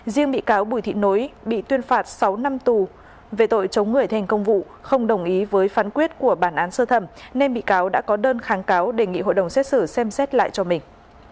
riêng bị cáo bùi thị nối bị tuyên phạt sáu năm tù về tội chống người thành công vụ không đồng ý với phán quyết của bản án sơ thẩm nên bị cáo đã có đơn kháng cáo đề nghị hội đồng xét xử xem xét lại cho mình